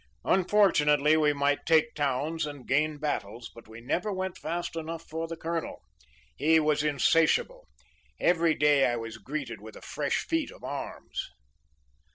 Unfortunately, we might take towns and gain battles, but we never went fast enough for the Colonel. He was insatiable. Every day I was greeted with a fresh feat of arms.